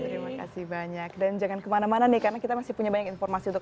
terima kasih banyak dan jangan kemana mana nih karena kita masih punya banyak informasi untuk